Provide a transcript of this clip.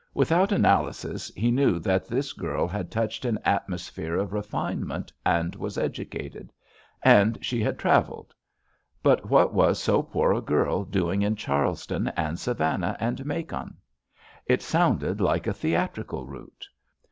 Without analysis, he knew that this girl had touched an atmosphere of refinement and was educated. And she had traveled. But what was so poor a girl doing in Charleston and Savannah and Macon? It sounded like a theatrical route.